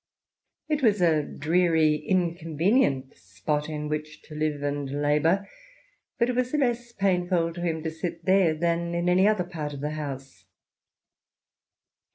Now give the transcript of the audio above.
It was a dreary, inconvenient spot in which to live and labour, but it was less painful to him to sit there than in any other part of the house.